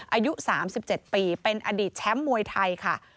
อายุ๓๗ปีเป็นอดีตแชมป์มวยไทยค่ะ